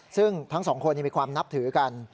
ซึ่งทั้งสองคนมีความนับถือกัน